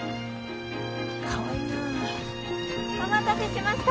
かわいいな。お待たせしました。